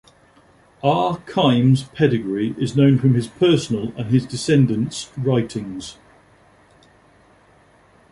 R. Khaim's pedigree is known from his personal and his descendants' writings.